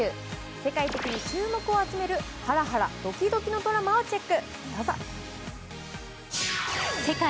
世界的に注目を集めるはらはらどきどきのドラマをチェック。